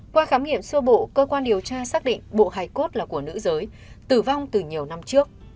qua khám nghiệm sơ bộ cơ quan điều tra xác định bộ hải cốt là của nữ giới tử vong từ nhiều năm trước